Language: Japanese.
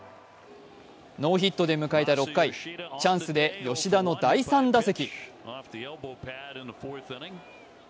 ノーヒットで迎えた６回チャンスで吉田の第３打席。